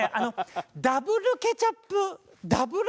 ダブルケチャップダブル